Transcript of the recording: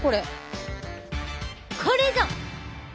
これぞ！